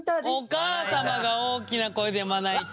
お母様が大きな声でまな板。